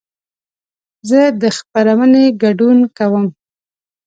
زه د خپرونې ګډون کوم.